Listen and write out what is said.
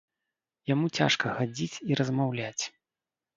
Яму цяжка хадзіць і размаўляць.